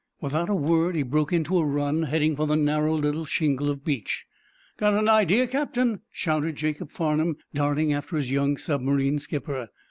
Without a word he broke into a run, heading for the narrow little shingle of beach. "Got an idea, Captain?" shouted Jacob Farnum, darting after his young submarine skipper.